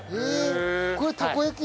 これたこ焼き